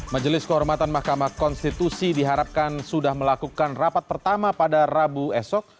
majelis kehormatan mahkamah konstitusi diharapkan sudah melakukan rapat pertama pada rabu esok